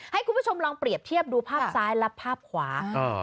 ให้คุณผู้ชมลองเปรียบเทียบดูภาพซ้ายและภาพขวา